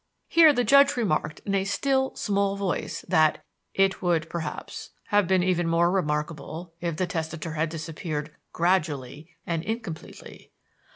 Here the judge remarked in a still, small voice that "It would, perhaps, have been even more remarkable if the testator had disappeared gradually and incompletely."